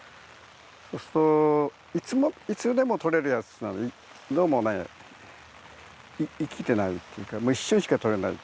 そうするといつでも撮れるやつはねどうもね生きてないっていうかもう一瞬しか撮れない。